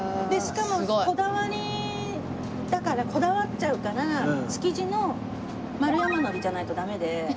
しかもこだわりだからこだわっちゃうから築地の丸山海苔じゃないとダメで。